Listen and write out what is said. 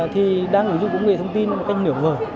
thì đang ứng dụng công nghệ thông tin một cách nửa vời